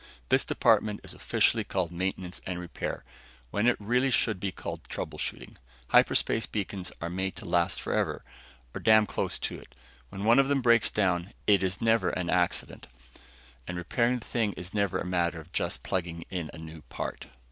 "This department is officially called Maintenance and Repair, when it really should be called trouble shooting. Hyperspace beacons are made to last forever or damn close to it. When one of them breaks down, it is never an accident, and repairing the thing is never a matter of just plugging in a new part."